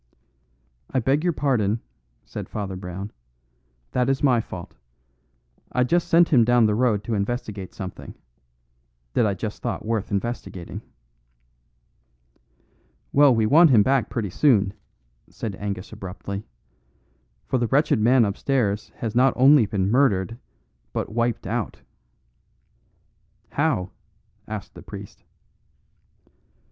"I beg your pardon," said Father Brown; "that is my fault. I just sent him down the road to investigate something that I just thought worth investigating." "Well, we want him back pretty soon," said Angus abruptly, "for the wretched man upstairs has not only been murdered, but wiped out." "How?" asked the priest.